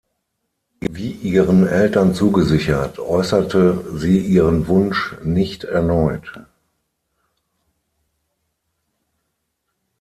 Wie ihren Eltern zugesichert, äußerte sie ihren Wunsch nicht erneut.